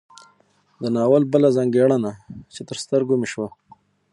د ناول بله ځانګړنه چې تر سترګو مې شوه